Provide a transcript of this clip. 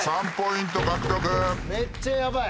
めっちゃヤバい。